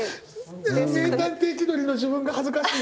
名探偵気取りの自分が恥ずかしい！